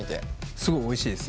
すごいおいしいです。